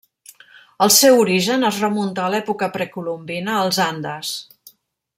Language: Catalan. El seu origen es remunta a l'època precolombina als Andes.